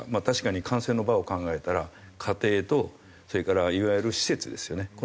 確かに感染の場を考えたら家庭とそれからいわゆる施設ですよね。